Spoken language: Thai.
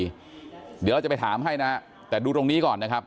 เดี๋ยวเราจะไปถามให้นะฮะแต่ดูตรงนี้ก่อนนะครับ